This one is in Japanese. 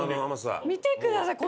見てください